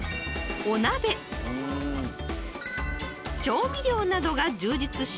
［調味料などが充実し］